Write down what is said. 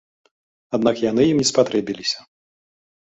Аднак яны ім не спатрэбілася.